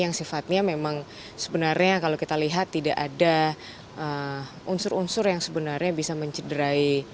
yang sifatnya memang sebenarnya kalau kita lihat tidak ada unsur unsur yang sebenarnya bisa mencederai